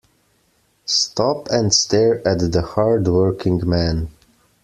Stop and stare at the hard working man.